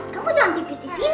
kamu jangan tipis di sini dong